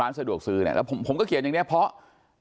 ร้านสะดวกซื้อแล้วผมเขียนแบบนี้เพราะ